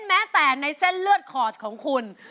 แม้แต่ในเส้นเลือดขอดของคุณ